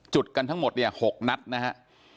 จุดกันทั้งหมด๖นัทนะครับ